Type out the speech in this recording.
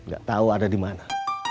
gak tau ada dimana